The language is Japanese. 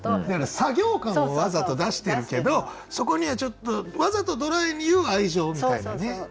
だから作業感をわざと出してるけどそこにはちょっとわざとドライに言う愛情みたいなね。